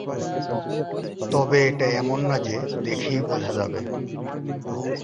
তবে এটা এমন না যে দেখেই বোঝা যাবে।